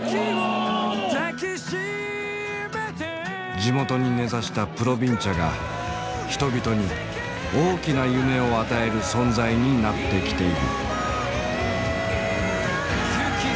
地元に根ざしたプロヴィンチャが人々に大きな夢を与える存在になってきている。